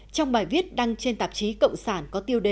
trong bài viết đăng trên tạp chí cộng sản có tiêu đề